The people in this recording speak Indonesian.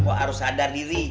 mpo harus sadar diri